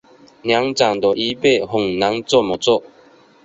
年长的一辈很难这么做